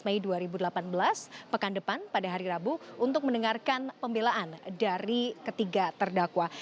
mei dua ribu delapan belas pekan depan pada hari rabu untuk mendengarkan pembelaan dari ketiga terdakwa